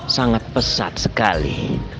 sangat pesat sekali